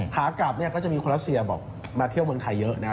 หากกลับก็จะมีคนรักเซียบอกมาเที่ยวเมืองไทยเยอะนะ